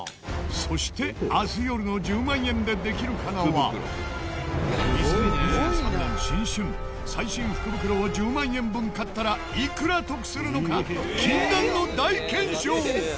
そして明日よるの『１０万円でできるかな』は２０２３年新春最新福袋を１０万円分買ったらいくら得するのか禁断の大検証！